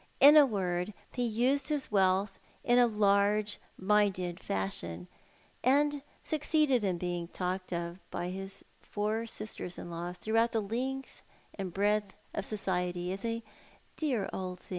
In a word, ho used his wealth in a large minded fashion, and .succeeded in being talked of by his four sisters in law throughout the length and breadth of society as " a dear old thing."